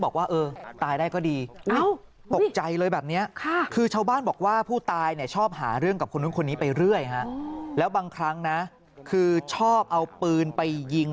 ค่ามีอย่างสักครั้งนะคือชอบเอาปืนไปยิง